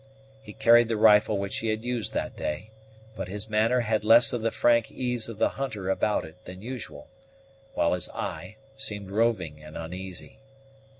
He carried the rifle which he had used that day; but his manner had less of the frank ease of the hunter about it than usual, while his eye seemed roving and uneasy.